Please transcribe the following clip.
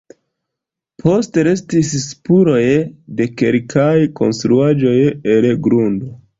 Postrestis spuroj de kelkaj konstruaĵoj el grundo.